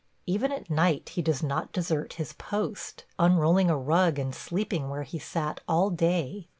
Even at night he does not desert his post, unrolling a rug and sleeping where he sat all day.